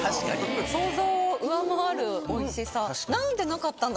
想像を上回るおいしさ。